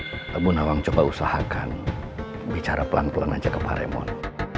pak bunawang coba usahakan bicara pelan pelan aja ke pak raymond